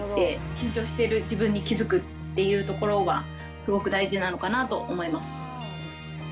緊張している自分に気付くっていうところは、すごく大事なのかなと思います。